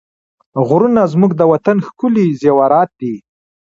غرونه زموږ د وطن ښکلي زېورات دي.